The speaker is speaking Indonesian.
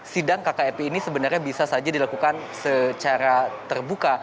sidang kkp ini sebenarnya bisa saja dilakukan secara terbuka